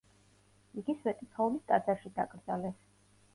იგი სვეტიცხოვლის ტაძარში დაკრძალეს.